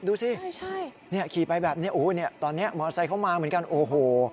ดูสิขี่ไปแบบนี้โอ้โฮตอนนี้มอเซ็นเขามาเหมือนกันโอ้โฮ